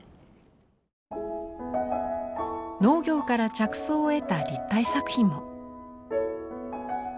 農業から着想を得た立体作品も。